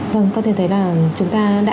vâng có thể thấy là chúng ta đã